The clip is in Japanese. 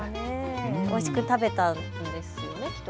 おいしく食べたんですよねきっと。